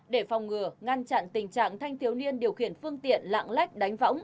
để phòng ngừa ngăn chặn tình trạng thanh thiếu niên điều khiển phương tiện lạng lách đánh võng